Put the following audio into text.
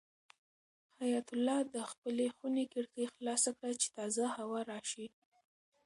حیات الله د خپلې خونې کړکۍ خلاصه کړه چې تازه هوا راشي.